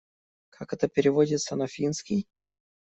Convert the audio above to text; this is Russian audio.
Как это переводится на финский?